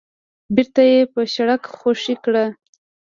بېرته يې په شړک خوشې کړه.